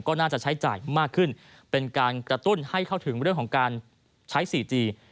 ก็น่าจะใช้จ่ายมากขึ้นเป็นการกระตุ้นให้เข้าถึงเรื่องของการใช้สีจี